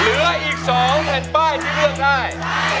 เหลืออีก๒แผ่นป้ายที่เลือกได้